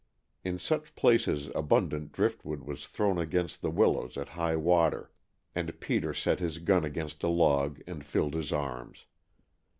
In such places abundant driftwood was thrown against the willows at high water, and Peter set his gun against a log and filled his arms.